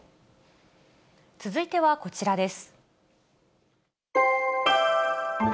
続いてはこちらです。